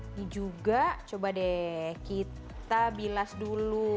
ini juga coba deh kita bilas dulu